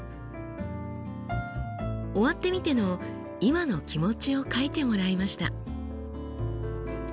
終わってみての今の気持ちを書いてもらいました。